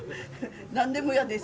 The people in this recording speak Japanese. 何でも屋です。